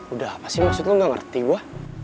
udah apa sih maksud lo gak ngerti gue